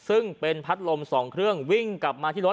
ซึ่งเป็นพัดลม๒เครื่องวิ่งกลับมาที่รถ